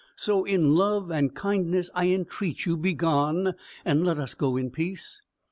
So in love and kindness I entreat you, begone, and let us go in peace."